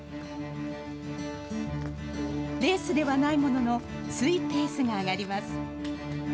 レースではないもののついペースが上がります。